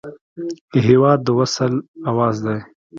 هېواد د وصل اواز دی.